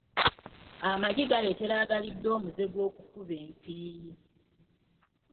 Amagi galeetera agalidde omuze gw’okukuba empiiyi.